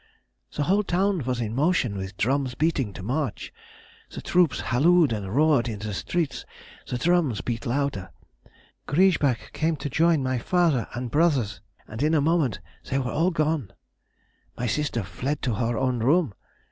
The whole town was in motion with drums beating to march: the troops hallooed and roared in the streets, the drums beat louder, Griesbach came to join my father and brothers, and in a moment they all were gone. My sister fled to her own room.